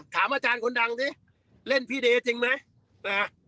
ถามอาจารย์คนดังสิเล่นพี่เดย์จริงไหมนะ